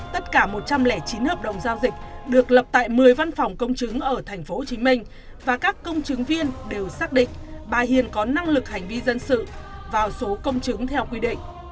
tất cả một trăm linh chín hợp đồng giao dịch được lập tại một mươi văn phòng công chứng ở tp hcm và các công chứng viên đều xác định bà hiền có năng lực hành vi dân sự vào số công chứng theo quy định